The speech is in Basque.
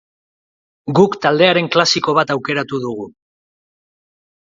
Guk taldearen klasiko bat aukeratu dugu.